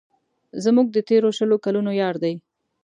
زموږ د تېرو شلو کلونو یار دی.